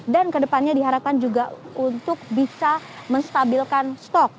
dan kedepannya diharapkan juga untuk bisa menstabilkan stok